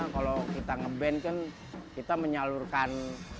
karena kalau kita ngeband kan kita menyalurkan